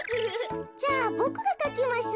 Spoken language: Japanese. じゃあボクがかきます。